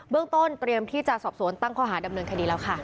เรื่องต้นเตรียมที่จะสอบสวนตั้งข้อหาดำเนินคดีแล้วค่ะ